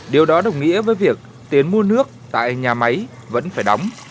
điều đó đồng nghĩa với việc tiền mua nước tại nhà máy vẫn phải đóng